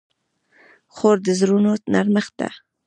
خور د زړونو نرمښت ده.